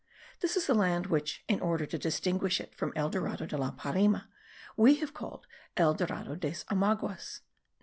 This is the land which, in order to distinguish it from El Dorado de la Parime, we have called El Dorado des Omaguas.